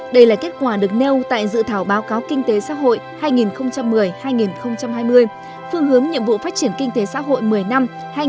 đây là kết quả được nêu tại dự thảo báo cáo kinh tế xã hội hai nghìn một mươi hai nghìn hai mươi phương hướng nhiệm vụ phát triển kinh tế xã hội một mươi năm hai nghìn một mươi hai nghìn hai mươi